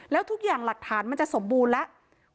แล้วทุกอย่างหลักฐานมันจะสมบูรณ์แล้ว